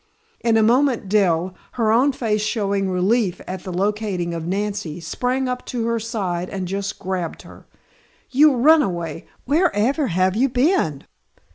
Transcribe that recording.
In a moment Dell, her own face showing relief at the locating of Nancy, sprang up to her side and just grabbed her. "You runaway! Where ever have you been?"